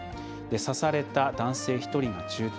刺された男性１人が重体。